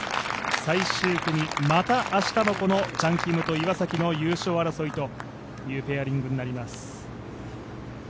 最終組、また明日のこのチャン・キムと、岩崎の優勝争いというペアリングになります。